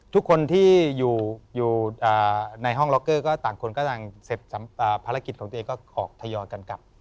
ทุกคนที่อยู่ในห้องล็อกเกอร์ก็ต่างคนก็ต่างเสร็จภารกิจของตัวเองก็ออกทยอยกันกลับ